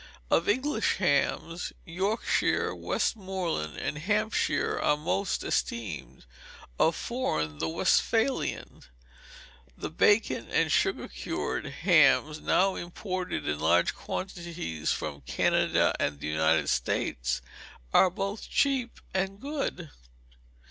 Of English hams, Yorkshire, Westmoreland, and Hampshire are most esteemed; of foreign, the Westphalian. The bacon and "sugar cured" hams now imported in large quantities from Canada and the United States are both cheap and good.